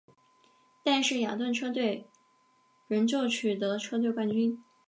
但是雅顿车队仍旧取得车队冠军。